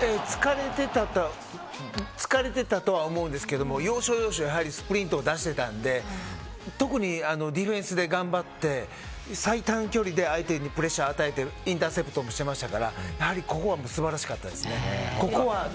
疲れてたとは思うんですけど要所要所でスプリントを出してたので特にディフェンスで頑張って、最短距離で相手へプレッシャーを与えてインターセプトしていたのでやはり、頭は素晴らしかったです。